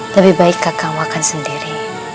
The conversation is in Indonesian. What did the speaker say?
lebih baik kakak makan sendiri